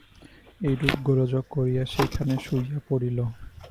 এইরূপ গোলযোগ করিয়া সেইখানে শুইয়া পড়িল।